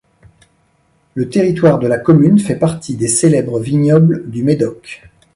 Le territoire de la commune fait partie des célèbres vignobles du Médoc.